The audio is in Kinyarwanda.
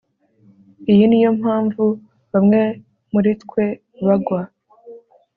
Iyi niyo mpamvu bamwe muri twe bagwa